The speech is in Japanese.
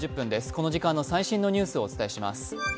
この時間の最新のニュースをお伝えします。